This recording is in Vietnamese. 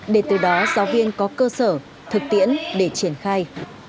để từ đó giáo viên có cơ sở thực tiễn để triển khai